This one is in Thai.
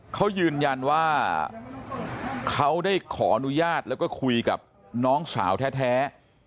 เขายืนยันว่าเขาได้ขออนุญาตแล้วก็คุยกับน้องสาวแท้